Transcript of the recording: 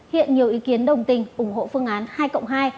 hiện nhiều ý kiến đồng tình ủng hộ phương án hai cộng hai